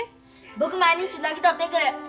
僕毎日ウナギ取ってくる。